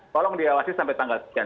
tolong diawasi sampai tanggal sekian